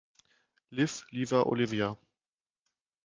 Liv, Liva, Olivia